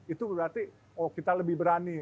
itu berarti oh kita lebih berani